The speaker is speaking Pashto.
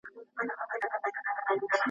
که استاد وي نو زده کوونکی نه غولیږي.